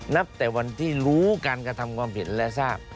นับแต่วันที่รู้การกระทำความเห็นและทราบ